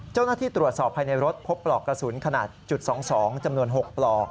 เจ้าหน้าที่ตรวจสอบภายในรถพบปลอกกระสุนขนาดจุด๒๒จำนวน๖ปลอก